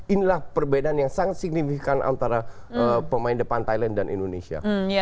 inilah perbedaan yang sangat signifikan antara pemain depan thailand dan indonesia